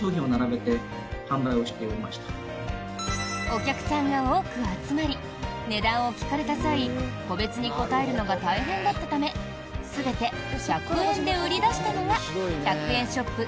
お客さんが多く集まり値段を聞かれた際個別に答えるのが大変だったため全て１００円で売り出したのが１００円ショップ